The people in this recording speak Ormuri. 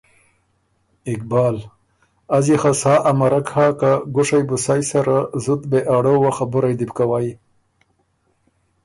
اقبال: از يې خه سا امرک هۀ که ګُوشئ بُو سئ سره زُت بې اړووه خبُرئ دی بو کوئ۔